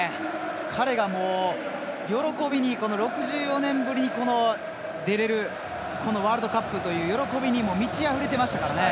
彼が、６４年ぶりに出られるこのワールドカップという喜びに満ちあふれていましたからね。